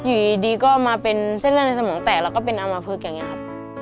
อยู่ดีก็มาเป็นเส้นเลือดในสมองแตกแล้วก็เป็นอำมพลึกอย่างนี้ครับ